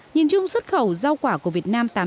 nhìn chung xuất khẩu rau quả của việt nam